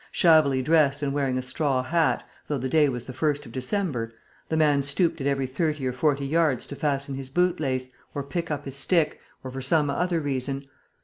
Shabbily dressed and wearing a straw hat, though the day was the first of December, the man stooped at every thirty or forty yards to fasten his boot lace, or pick up his stick, or for some other reason.